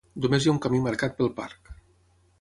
Només hi ha un camí marcat pel parc.